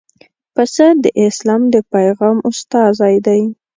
پسه د اسلام د پیغام استازی دی.